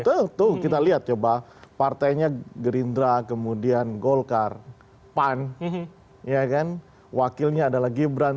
tentu kita lihat coba partainya gerindra kemudian golkar pan wakilnya adalah gibran